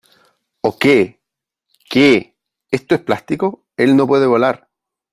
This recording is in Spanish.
¿ Oh , qué ?¿ qué ? esto es plástico . él no puede volar .